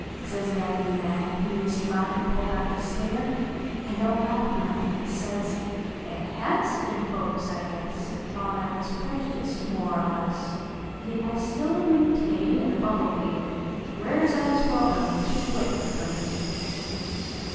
Says The Raggedy Man : an lie ist run An pullt out the stinger, an don t laugh none, An says :" They Jias ben folks, I guess, At thought T wuz predjudust. more er less, Yit T still muntain at a Bumblebee "Wears out his welcome too quick fer me